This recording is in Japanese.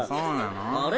あれ？